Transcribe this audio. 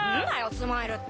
スマイルって。